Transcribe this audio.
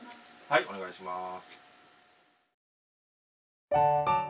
はいおねがいします。